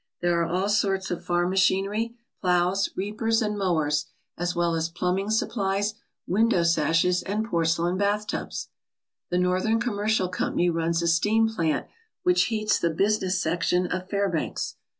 There are all sorts of farm machinery, ploughs, reapers, and mowers, as well as plumbing supplies, window sashes, and porcelain bath tubs. The Northern Commercial Company runs a steam plant which heats the business section of Fairbanks.